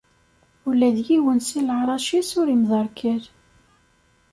Ula d yiwen si leɛrac-is ur imderkal.